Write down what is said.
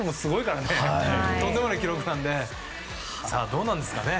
どうなんですかね。